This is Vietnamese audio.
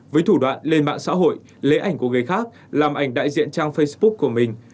với thủ đoạn lên mạng xã hội lấy ảnh của người khác làm ảnh đại diện trang facebook của mình